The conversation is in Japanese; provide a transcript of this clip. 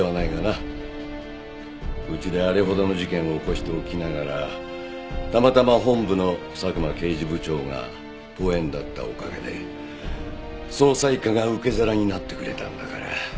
うちであれほどの事件を起こしておきながらたまたま本部の佐久間刑事部長が遠縁だったおかげで捜査一課が受け皿になってくれたんだから。